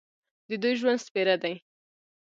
د دوی ژوند سپېره دی.